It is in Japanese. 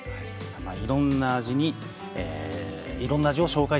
いろんな味にいろんな味を紹介したいと思います。